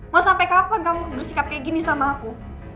mau sampai kapan kamu bersikap kayak gini sama aku